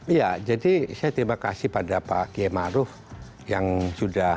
iya jadi saya terima kasih pada pak kiai maruf yang sudah